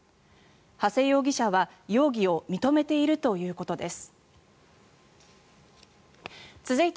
長谷容疑者は、容疑を認めているということです。